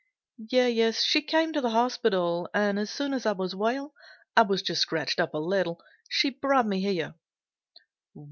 "Yes, she came to the hospital and as soon as I was well I was just scratched up a little she brought me here."